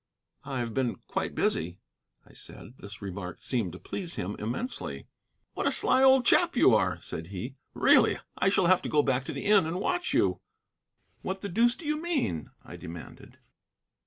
"I've been quite busy," I said. This remark seemed to please him immensely. "What a sly old chap you are," said he; "really, I shall have to go back to the inn and watch you." "What the deuce do you mean?" I demanded.